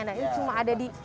ini cuma ada di